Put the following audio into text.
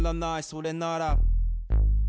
「それなら」